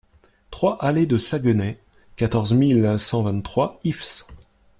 trois allée du Saguenay, quatorze mille cent vingt-trois Ifs